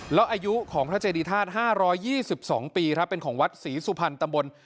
แล้วอายุของพระเจดีธาตุ๕๒๒ปีครับเป็นของวัดศรีสุพรรณตำบล